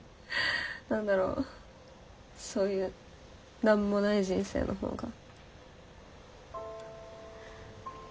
何だろうそういう何もない人生の方が。